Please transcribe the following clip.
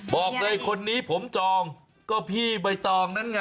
บอกเลยคนนี้ผมจองก็พี่ใบตองนั่นไง